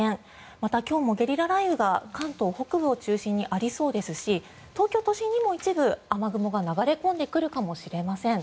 また、今日もゲリラ雷雨が関東北部を中心にありそうですし東京都心にも一部、雨雲が流れ込んでくるかもしれません。